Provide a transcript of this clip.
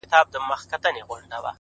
o خداى نه چي زه خواست كوم نو دغـــه وي ـ